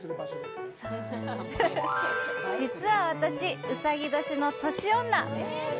実は私、うさぎ年の年女！